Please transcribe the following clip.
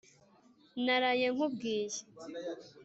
naraye nkubwiye”